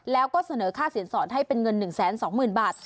แล้วก็เสนอค่าสินสอนให้เป็นเงิน๑๒๐๐๐บาท